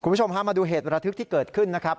คุณผู้ชมฮะมาดูเหตุระทึกที่เกิดขึ้นนะครับ